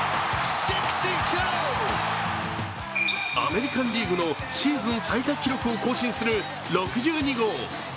アメリカン・リーグのシーズン最多記録を更新する６２号。